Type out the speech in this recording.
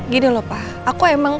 gini loh pak